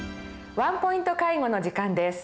「ワンポイント介護」の時間です。